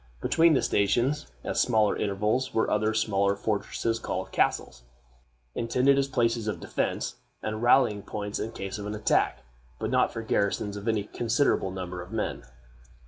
Between the stations, at smaller intervals, were other smaller fortresses called castles, intended as places of defense, and rallying points in case of an attack, but not for garrisons of any considerable number of men.